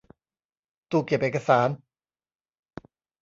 ตู้เก็บเอกสาร